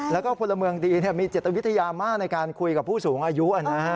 แล้วก็พลเมืองดีมีจิตวิทยามากในการคุยกับผู้สูงอายุ